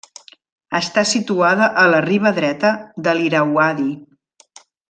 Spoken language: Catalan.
Està situada a la riba dreta de l'Irauadi.